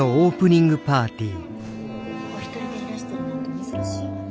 お一人でいらしてるなんて珍しいわね。